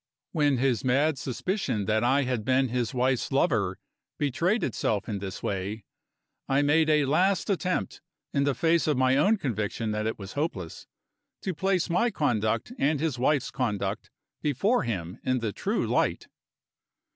When his mad suspicion that I had been his wife's lover betrayed itself in this way, I made a last attempt, in the face of my own conviction that it was hopeless, to place my conduct and his wife's conduct before him in the true light.